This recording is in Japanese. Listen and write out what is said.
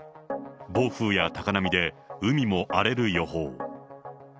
暴風や高波で、海も荒れる予報。